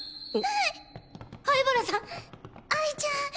哀ちゃん。